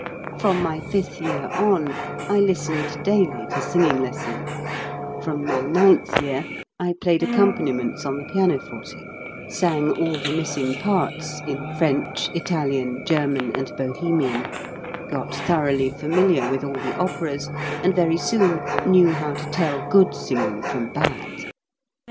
From my fifth year on I listened daily to singing lessons; from my ninth year I played accompaniments on the pianoforte, sang all the missing parts, in French, Italian, Geriftaii, and Bohemian; got thoroughly familiar with all the operas, and very soon knew how to tell good singing from bad.